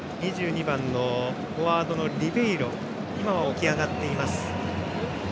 ２２番のフォワードのリベイロが今は起き上がっています。